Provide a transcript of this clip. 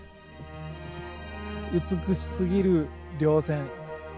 美しすぎる稜線。